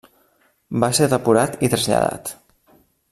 Va ser depurat i traslladat.